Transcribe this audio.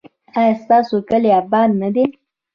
ایا ستاسو کلی اباد نه دی؟